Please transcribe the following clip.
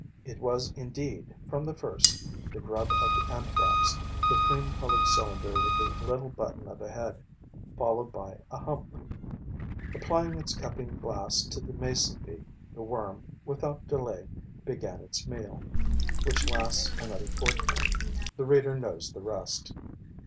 It was indeed, from the first, the grub of the Anthrax, the cream colored cylinder with the little button of a head, followed by a hump. Applying its cupping glass to the mason bee, the worm, without delay, began its meal, which lasts another fortnight. The reader knows the rest.